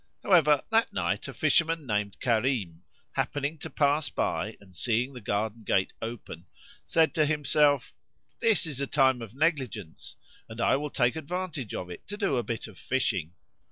However that night a fisherman named Karim, happening to pass by and seeing the garden gate open, said to himself, "This is a time of negligence; and I will take advantage of it to do a bit of fishing."